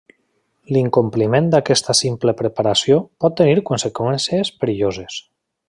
L'incompliment d'aquesta simple preparació pot tenir conseqüències perilloses.